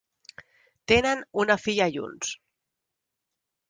Tenen una filla junts.